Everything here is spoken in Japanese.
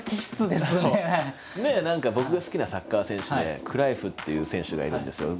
で何か僕が好きなサッカー選手でクライフっていう選手がいるんですけど。